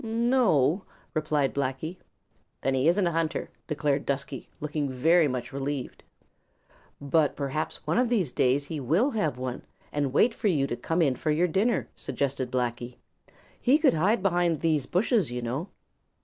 "No o," replied Blacky. "Then he isn't a hunter," declared Dusky, looking much relieved. "But perhaps one of these days he will have one and will wait for you to come in for your dinner," suggested Blacky. "He could hide behind these bushes, you know."